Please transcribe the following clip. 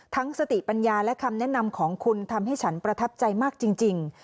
สติปัญญาและคำแนะนำของคุณทำให้ฉันประทับใจมากจริง